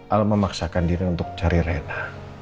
al memaksakan diri untuk cari reina